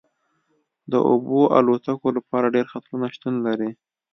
د اوبو الوتکو لپاره ډیر خطرونه شتون لري